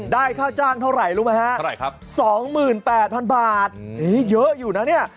ได้ข้าวจ้างเท่าไหร่รู้ไหมฮะ๒๘๐๐๐บาทเยอะอยู่นะเนี่ย